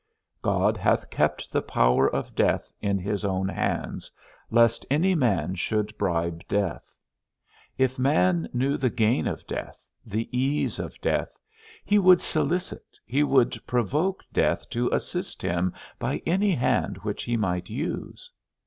God hath kept the power of death in his own hands, lest any man should bribe death. If man knew the gain of death, the ease of death, he would solicit, he would provoke death to assist him by any hand which he might use.